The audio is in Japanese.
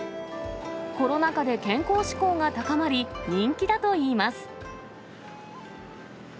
コロナ禍で健康志向が高まり、人気だといいます。